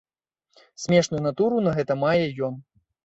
Смешную натуру на гэта мае ён.